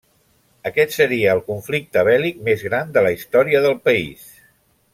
Aquest seria el conflicte bèl·lic més gran de la història del país.